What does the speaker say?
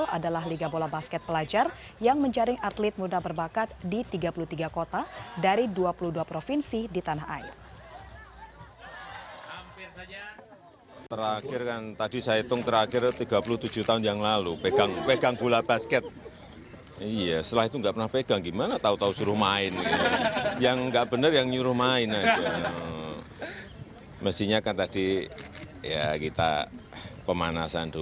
dbl adalah liga bola basket pelajar yang menjaring atlet muda berbakat di tiga puluh tiga kota dari dua puluh dua provinsi di tanah air